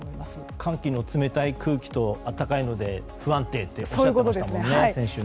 寒気の冷たい空気と暖かい天気で不安定とおっしゃっていましたもんね。